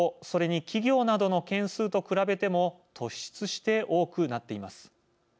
それに企業などの件数と比べても突出して多くなっています。